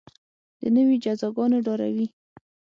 د دنیوي جزاګانو ډاروي.